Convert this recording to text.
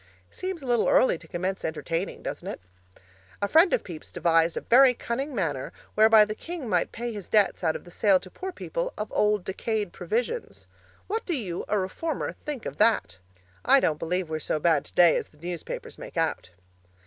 Seems a little early to commence entertaining, doesn't it? A friend of Pepys devised a very cunning manner whereby the king might pay his debts out of the sale to poor people of old decayed provisions. What do you, a reformer, think of that? I don't believe we're so bad today as the newspapers make out.